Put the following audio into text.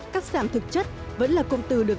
cắt giảm thực chất vẫn là công từ được giải quyết